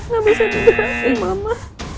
gak bisa digerakin mama